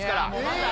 また？